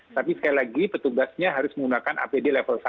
tapi sekali lagi petugasnya harus menggunakan apd level satu